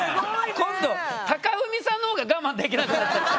今度貴文さんの方が我慢できなくなったんだ。